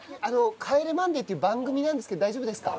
『帰れマンデー』っていう番組なんですけど大丈夫ですか？